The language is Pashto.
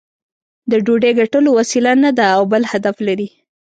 د ډوډۍ ګټلو وسیله نه ده او بل هدف لري.